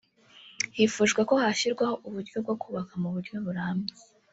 Hifujwe ko hazashyirwaho uburyo bwo kubaka mu buryo burambye